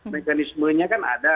mekanismenya kan ada